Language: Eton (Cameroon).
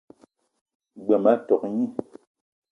G-beu ma tok gni.